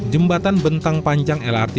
jembatan bentang lengkung lrt